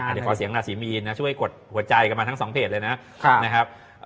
เดี๋ยวขอเสียงราศีมีนนะช่วยกดหัวใจกันมาทั้งสองเพจเลยนะครับ